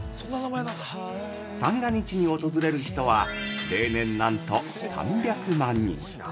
三が日に訪れる人は例年なんと３００万人。